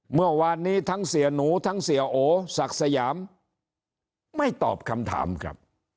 เมื่อวานนี้ทั้งเสียหนูทั้งเสียโอศักดิ์สยามไม่ตอบคำถามครับ